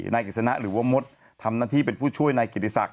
นายกิจสนะหรือว่ามดทำหน้าที่เป็นผู้ช่วยนายกิติศักดิ